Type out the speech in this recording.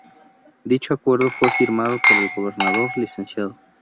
Dicho acuerdo fue firmado por el Gobernador Lic.